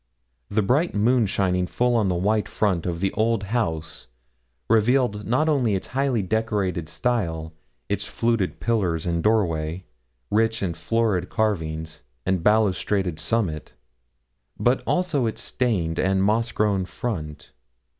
The bright moon shining full on the white front of the old house revealed not only its highly decorated style, its fluted pillars and doorway, rich and florid carving, and balustraded summit, but also its stained and moss grown front.